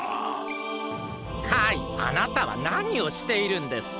カイあなたはなにをしているんですか？